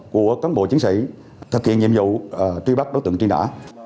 của các bộ chính sĩ thực hiện nhiệm vụ truy bắt đối tượng truy nã